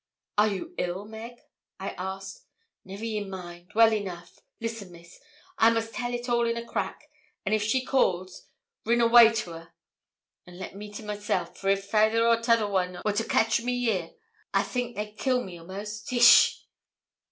'Are you ill, Meg?' I asked. 'Never ye mind. Well enough. Listen, Miss; I must tell it all in a crack, an' if she calls, rin awa' to her, and le' me to myself, for if fayther or t'other un wor to kotch me here, I think they'd kill me a'most. Hish!'